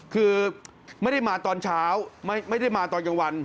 คือไม่ได้มาตอนเช้าไม่ได้มาตอนกลางวัน